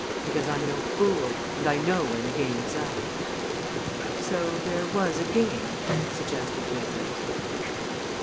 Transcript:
Because, I'm no fool, and I know when a game's up." "So there was a game?" suggested Vickers.